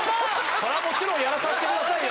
そらもちろんやらさせてくださいよ。